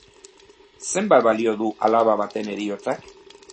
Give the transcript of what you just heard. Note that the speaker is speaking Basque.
Zenbat balio du alaba baten heriotzak?